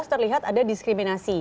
terlihat ada diskriminasi